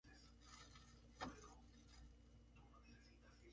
El fruto es comestible.